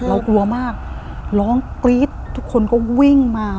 กลัวมากร้องกรี๊ดทุกคนก็วิ่งมา